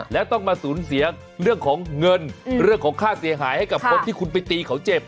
แล้วต้องมาสูญเสียเรื่องของเงินเรื่องของค่าเสียหายให้กับคนที่คุณไปตีเขาเจ็บ